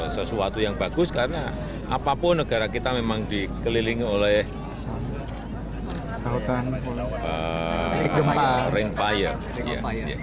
sesuatu yang bagus karena apapun negara kita memang dikelilingi oleh gempa ring fire